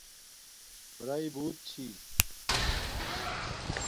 رئ بوت چھی